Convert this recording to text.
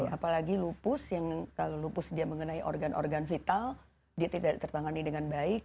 apalagi lupus yang kalau lupus dia mengenai organ organ vital dia tidak tertangani dengan baik